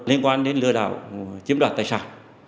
liên quan đến lừa đảo chiếm đoạt tài sản